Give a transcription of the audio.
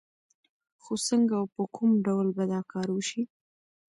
خو څنګه او په کوم ډول به دا کار وشي؟